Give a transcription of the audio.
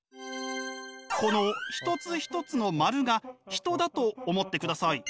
この一つ一つの丸が人だと思ってください。